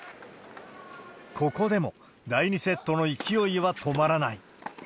ここでも、第２セットの勢いは止まらない。